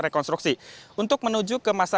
rekonstruksi untuk menuju ke masa